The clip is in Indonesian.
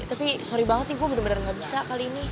tapi sorry banget nih gue bener bener gak bisa kali ini